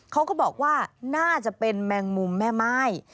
เขาก็บอกว่าน่าจะเป็นแมงมุมแม่ม่าย